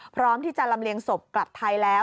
พร้อมที่จะลำเลียงศพกลับไทยแล้ว